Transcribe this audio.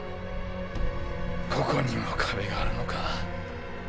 ここにも壁があるのか。